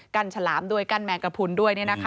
ฉลามด้วยกั้นแมงกระพุนด้วย